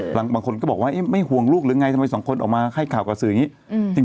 บางคนก็บอกว่าไม่ห่วงลูกหรือไงทำไมสองคนออกมาให้ข่าวกับสื่ออย่างนี้